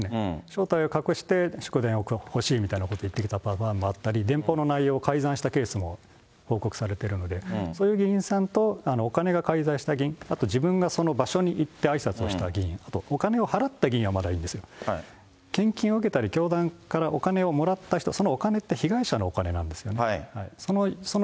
正体を隠して祝電を欲しいと言ってきたパターンもあったり、電報の内容を改ざんしたケースも報告されてるので、そういう議員さんと、お金が介在した、あと自分がその場所に行って、あいさつをした議員と、お金を払った議員はまだいいんですよ、献金を受けたり教団からお金をもらった人、そのお金って、被害者のお金なんですよね。